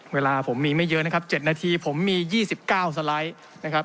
เวลาผมมีไม่เยอะนะครับ๗นาทีผมมี๒๙สไลด์นะครับ